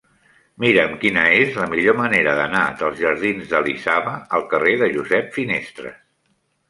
Mira'm quina és la millor manera d'anar dels jardins d'Elisava al carrer de Josep Finestres.